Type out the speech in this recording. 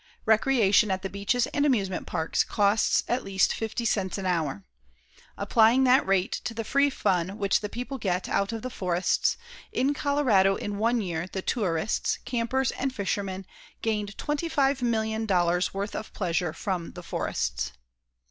Recreation at the beaches and amusement parks costs at least fifty cents an hour. Applying that rate to the free fun which the people get out of the forests, in Colorado in one year the tourists, campers and fishermen gained $25,000,000 worth of pleasure from the forests.